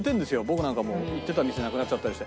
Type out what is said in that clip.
僕なんかも行ってた店なくなっちゃったりして。